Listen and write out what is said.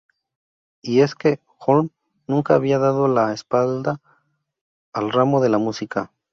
Y es que Holm nunca había dado la espalda al ramo de la música.